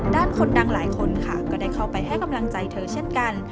คนดังหลายคนค่ะก็ได้เข้าไปให้กำลังใจเธอเช่นกัน